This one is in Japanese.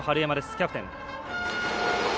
キャプテン。